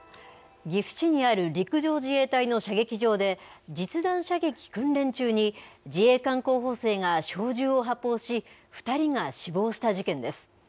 岐阜市にある陸上自衛隊の射撃場で、実弾射撃訓練中に、自衛官候補生が小銃を発砲し、２人が死亡した事件です。